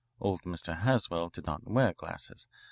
Old Mr. Haswell did not wear glasses.